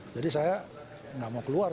jadi saya gak mau keluar